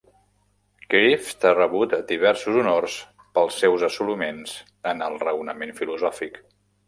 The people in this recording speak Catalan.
Kreeft ha rebut diversos honors pels seus assoliments en el raonament filosòfic.